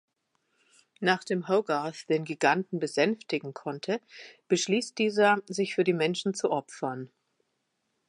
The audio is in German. Nachdem Hogarth den Giganten besänftigen konnte, beschließt dieser, sich für die Menschen zu opfern.